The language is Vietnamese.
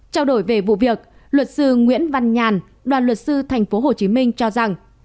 trao đổi về vụ việc luật sư nguyễn văn nhàn đoàn luật sư tp hcm cho rằng